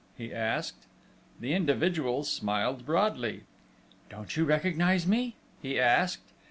he asked. The individual smiled broadly. "Don't you recognise me?" he asked.